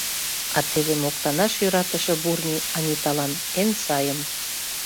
А теве моктанаш йӧратыше Бурни Аниталан — эн сайым.